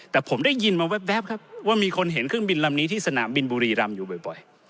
แต่ผมได้ยินมาแว๊บครับว่ามีคนเห็นเครื่องบินลำนี้ที่สนามบินบุรีรำอยู่บ่อย